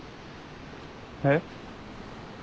えっ？